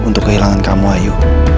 untuk kehilangan kamu ayu